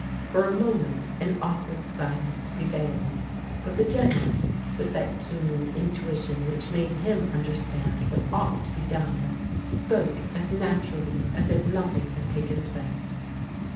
For a moment an awkward silence prevailed, but the General, with that keen intuition which made him understand what ought to be done, spoke as naturally as if nothing had taken place.